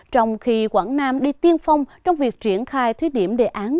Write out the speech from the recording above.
trong khi quảng nam đi tiên phong trong việc triển khai thí điểm đề án